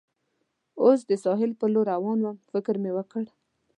اوس د ساحل پر لور روان ووم، فکر مې وکړ.